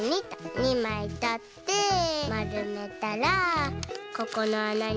２まいとってまるめたらここのあなにいれます。